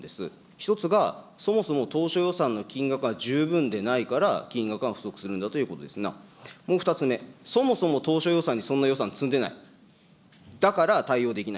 １つが、そもそも当初予算の金額が十分でないから金額が不足するんだということですが、もう２つ目、そもそも当初予算にそんな予算積んでない、だから対応できな